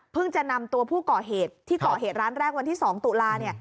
จะนำตัวผู้ก่อเหตุที่ก่อเหตุร้านแรกวันที่๒ตุลาเนี่ย